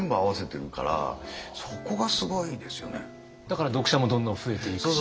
だから読者もどんどん増えていくし。